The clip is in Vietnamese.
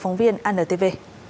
phóng viên antv